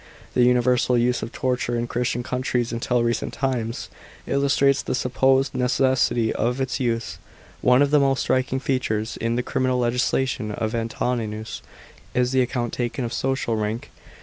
The universal use of torture in Christian countries until recent times, illustrates the supposed necessity of its use. One of the most striking features in the criminal legislation of Antoninus, is the account taken of social rank.